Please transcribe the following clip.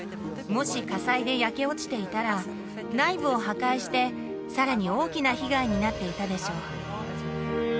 もし火災で焼け落ちていたら内部を破壊してさらに大きな被害になっていたでしょう